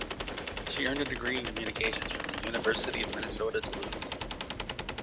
She earned a degree in communications from the University of Minnesota Duluth.